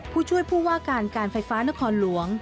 ผู้ช่วยผู้ว่าการการไฟฟ้านครหลวง